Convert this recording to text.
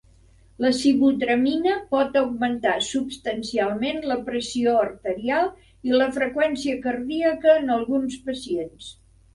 La sibutramina pot augmentar substancialment la pressió arterial i la freqüència cardíaca en alguns pacients.